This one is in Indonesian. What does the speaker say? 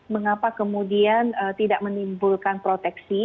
mengapa kemudian tidak menimbulkan proteksi